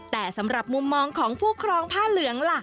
แต่สำหรับมุมมองของผู้ครองผ้าเหลืองล่ะ